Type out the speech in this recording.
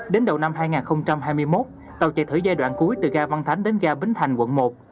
đến đầu năm hai nghìn hai mươi một tàu chạy thử giai đoạn cuối từ ga văn thánh đến ga bến thành quận một